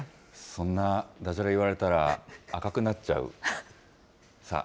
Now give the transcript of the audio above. そんなだじゃれ言われたら、赤くなっちゃう。